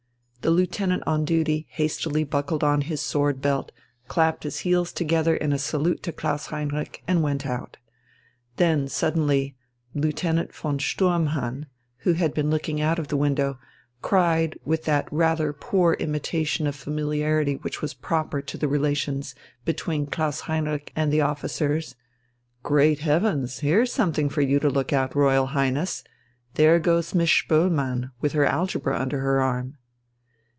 The lieutenant on duty hastily buckled on his sword belt, clapped his heels together in a salute to Klaus Heinrich and went out. Then suddenly Lieutenant von Sturmhahn, who had been looking out of the window, cried with that rather poor imitation of familiarity which was proper to the relations between Klaus Heinrich and the officers: "Great heavens, here's something for you to look at, Royal Highness! There goes Miss Spoelmann, with her algebra under her arm...."